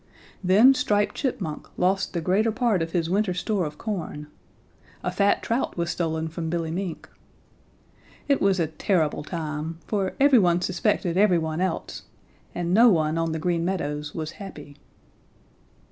Then Striped Chipmunk lost the greater part of his winter store of corn. A fat trout was stolen from Billy Mink. "It was a terrible time, for every one suspected every one else, and no one on the Green Meadows was happy.